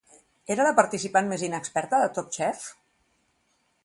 Era la participant més inexperta de Top Chef?